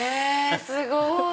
すごい！